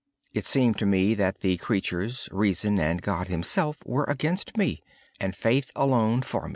It seemed to me that all creatures, reason, and God Himself were against me and faith alone for me.